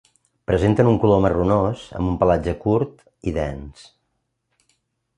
Presenten un color marronós amb un pelatge curt i dens